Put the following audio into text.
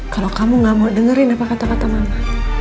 kalau kamu gak mau dengerin apa kata kata mama